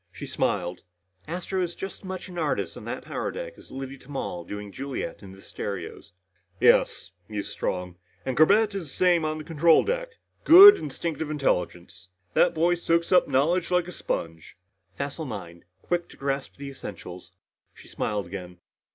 She smiled. "Astro is as much an artist on that power deck as Liddy Tamal doing Juliet in the stereos." "Yes," mused Strong. "And Corbett is the same on the control deck. Good instinctive intelligence. That boy soaks up knowledge like a sponge." "Facile mind quick to grasp the essentials." She smiled again.